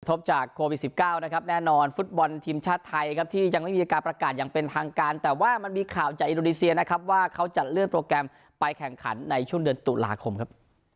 จากโควิด๑๙นะครับแน่นอนฟุตบอลทีมชาติไทยครับที่ยังไม่มีการประกาศอย่างเป็นทางการแต่ว่ามันมีข่าวจากอินโดนีเซียนะครับว่าเขาจะเลื่อนโปรแกรมไปแข่งขันในช่วงเดือนตุลาคมครับ